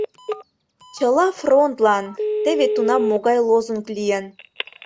«Чыла – фронтлан!» — теве тунам могай лозунг лийын.